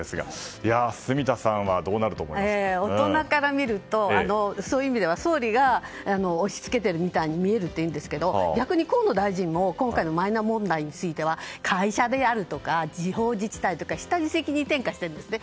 住田さんは大人から見るとそういう意味では総理が押し付けているみたいに見えるというんですが逆に河野大臣も今回のマイナ問題については会社であるとか地方自治体とか下に責任転嫁しているんですね。